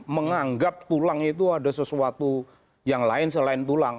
menganggap tulang itu ada sesuatu yang lain selain tulang